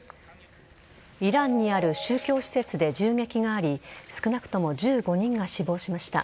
イランにある宗教施設で銃撃があり少なくとも１５人が死亡しました。